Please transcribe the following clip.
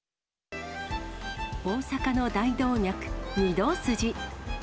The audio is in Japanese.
大阪の大動脈、御堂筋。